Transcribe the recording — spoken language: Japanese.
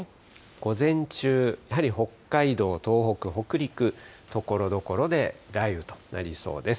午前中、やはり北海道、東北、北陸、ところどころで雷雨となりそうです。